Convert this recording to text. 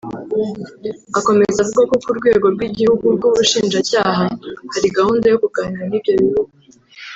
Akomeza avuga ko ku rwego rw’igihugu nk’ubushinjacyaha hari gahunda yo kuganira n’ibyo bihugu